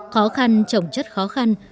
khó khăn trồng chất khó khăn